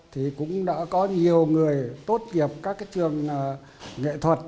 thì cũng đã có nhiều người tốt nghiệp các cái trường nghệ thuật